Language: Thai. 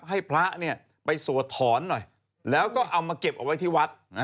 ให้พระเนี่ยไปสวดถอนหน่อยแล้วก็เอามาเก็บเอาไว้ที่วัด